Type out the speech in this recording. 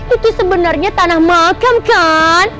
itu sebenarnya tanah makam kan